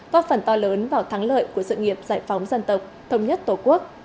có phần to lớn vào thắng lợi của sự nghiệp giải phóng dân tộc thống nhất tổ quốc